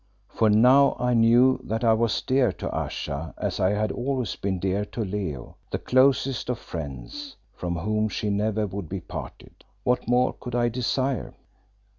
For now I knew that I was dear to Ayesha as I had always been dear to Leo; the closest of friends, from whom she never would be parted. What more could I desire?